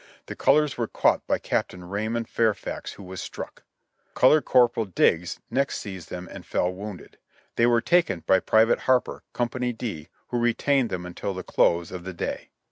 The colors were caught by Captain Raymond Fairfax, who was struck. Color Corporal Digges next seized them and fell wounded. They were taken by Private Harper, Co. D, who retained them until the close of the day.